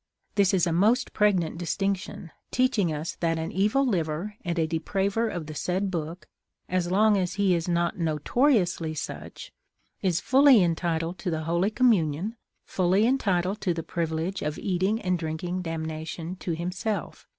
This is a most pregnant distinction, teaching us that an evil liver and a depraver of the said book, as long as he is not notoriously such, is fully entitled to the Holy Communion, fully entitled to the privilege of "eating and drinking damnation to himself?"